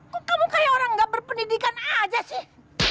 kok kamu kayak orang gak berpendidikan aja sih